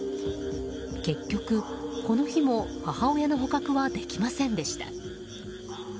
結局この日も母親の捕獲はできませんでした。